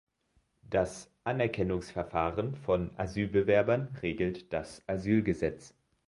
Das Anerkennungsverfahren von Asylbewerbern regelt das Asylgesetz.